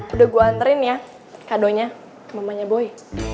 udah gue anterin ya kadonya mamanya boy